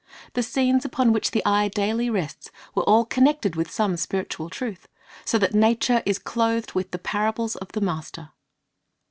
The scenes upon which the eye daily rests were all connected with some spiritual truth, so that nature is clothed with the parables of the Master.